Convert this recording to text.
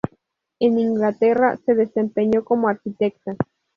En Inglaterra se desempeñó como arquitecta.